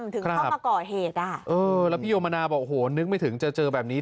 ถึงเข้ามาก่อเหตุอ่ะเออแล้วพี่โยมนาบอกโอ้โหนึกไม่ถึงจะเจอแบบนี้